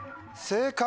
正解！